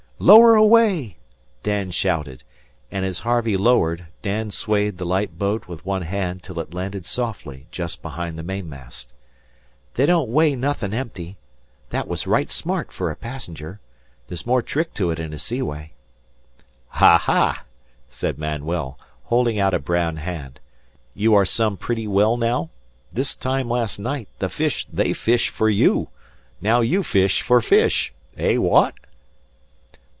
"Lower away," Dan shouted, and as Harvey lowered, Dan swayed the light boat with one hand till it landed softly just behind the mainmast. "They don't weigh nothin' empty. Thet was right smart fer a passenger. There's more trick to it in a sea way." "Ah ha!" said Manuel, holding out a brown hand. "You are some pretty well now? This time last night the fish they fish for you. Now you fish for fish. Eh, wha at?"